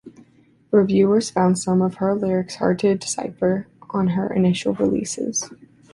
Reviewers found some of her lyrics hard to decipher on her initial releases.